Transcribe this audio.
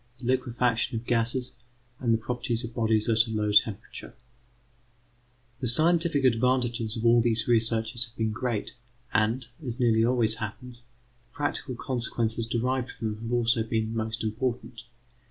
THE LIQUEFACTION OF GASES, AND THE PROPERTIES OF BODIES AT A LOW TEMPERATURE The scientific advantages of all these researches have been great, and, as nearly always happens, the practical consequences derived from them have also been most important.